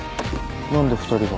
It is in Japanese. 何で２人が。